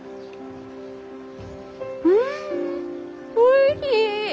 うんおいしい！